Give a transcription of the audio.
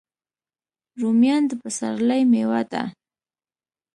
رومیان د پسرلي میوه ده